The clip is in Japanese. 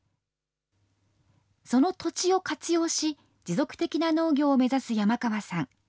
その土地を活用し、持続的な農業を目指す山川さん。